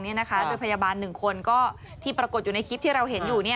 โดยพยาบาล๑คนที่ปรากฏอยู่ในคลิปที่เราเห็นอยู่